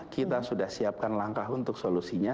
kita sudah siapkan langkah untuk solusinya